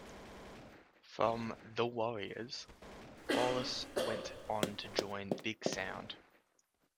From The Warriors, Wallace went on to join Big Sound.